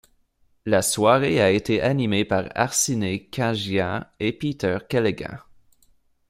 La soirée a été animée par Arsinée Khanjian et Peter Keleghan.